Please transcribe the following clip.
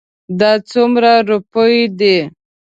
دا څومره روپی دي؟